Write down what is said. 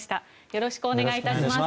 よろしくお願いします。